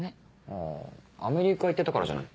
あアメリカ行ってたからじゃない？